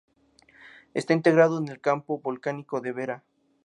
Está integrado en el campo volcánico de Vera.